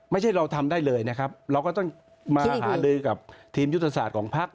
ไม่ใช่เราทำได้เลยนะครับเราก็ต้องมาหาลือกับทีมยุทธศาสตร์ของพัก